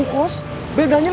ke pasar cinaneng kang